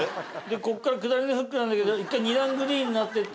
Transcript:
こっから下りのフックなんだけど１回２段グリーンなってて。